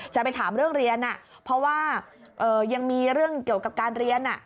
จะไปถามเรื่องเรียนเพราะว่ายังมีเรื่องเกี่ยวกับการเรียน